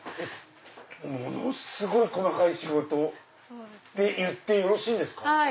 ものすごい細かい仕事って言ってよろしいんですか？